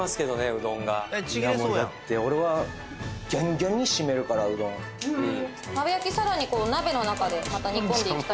うどんがいやもうだって俺はギャンギャンに締めるからうどん鍋焼き小瀧